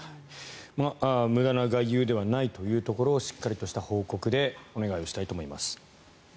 無駄な外遊ではないというところをしっかりとした報告でお願いしたいと思います。